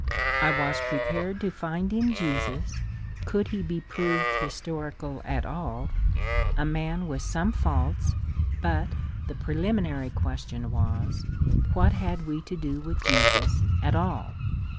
I was prepared to find in Jesus, could he be proved historical at all, a man with some faults, but the preliminary question was, what had we to do with Jesus at all